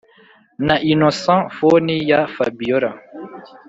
na innocent phone ya fabiora